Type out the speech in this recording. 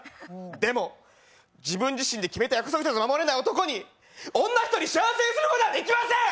でも、自分自身で決めた約束すら守れない男に女一人幸せにすることはできません！